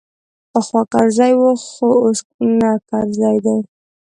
پخوا کرزی وو خو اوس نه کرزی دی.